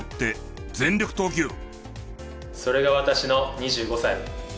それが私の２５歳。